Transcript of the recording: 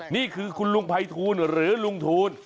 นี่คือคุณลุงภัยทูลหรือลุงทูล